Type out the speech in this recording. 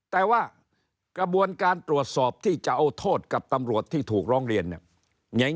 แต่ว่ากระบวนการตรวจสอบที่จะเอาโทษกับตำรวจที่ถูกร้องเรียนเนี่ย